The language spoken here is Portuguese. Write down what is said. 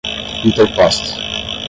interposta